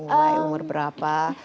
mulai umur berapa